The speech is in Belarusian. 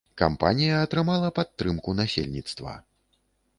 Кампанія атрымала падтрымку насельніцтва.